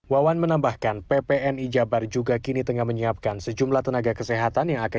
wawan menambahkan ppni jabar juga kini tengah menyiapkan sejumlah tenaga kesehatan yang akan